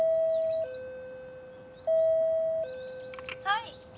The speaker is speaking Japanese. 「はい」